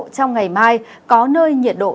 trong ngày mai có nơi nhiệt độ